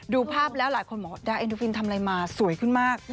ดูภาพแล้วหลายคนบอกว่าดาเอ็นดูฟินทำอะไรมาสวยขึ้นมาก